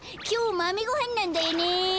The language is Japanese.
きょうまめごはんなんだよね。